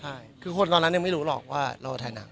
ใช่คือคนตอนนั้นยังไม่รู้หรอกว่าเราถ่ายหนัง